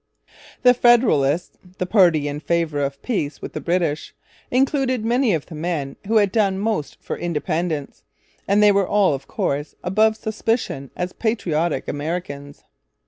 The Federalists, the party in favour of peace with the British, included many of the men who had done most for Independence; and they were all, of course, above suspicion as patriotic Americans.